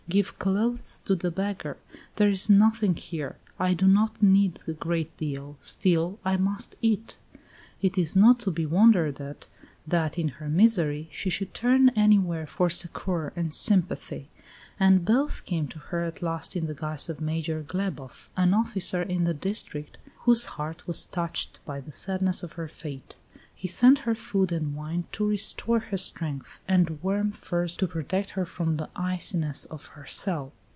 Give clothes to the beggar. There is nothing here. I do not need a great deal; still I must eat." It is not to be wondered at, that, in her misery, she should turn anywhere for succour and sympathy; and both came to her at last in the guise of Major Glebof, an officer in the district, whose heart was touched by the sadness of her fate. He sent her food and wine to restore her strength, and warm furs to protect her from the iciness of her cell.